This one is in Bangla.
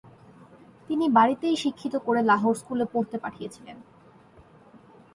তিনি বাড়িতেই শিক্ষিত করে লাহোর স্কুলে পড়তে পাঠিয়েছিলেন।